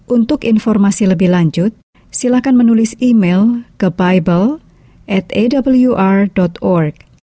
untuk informasi lebih lanjut silahkan menulis email ke bible atawr org